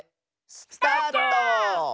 スタート！